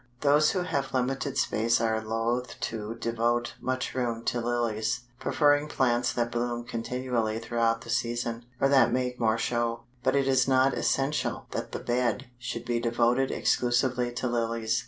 Those who have limited space are loth to devote much room to Lilies, preferring plants that bloom continually throughout the season, or that make more show. But it is not essential that the bed should be devoted exclusively to lilies.